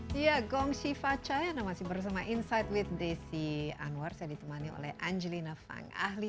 hai ya gong siva chayana masih bersama inside with desi anwar saya ditemani oleh angelina fang ahli